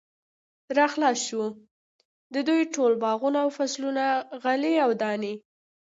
را خلاص شو، د دوی ټول باغونه او فصلونه، غلې او دانې